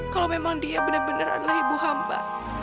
kalau memang dia benar benar adalah ibu hamba